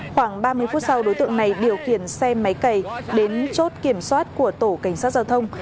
khoảng ba mươi phút sau đối tượng này điều khiển xe máy cầy đến chốt kiểm soát của tổ cảnh sát giao thông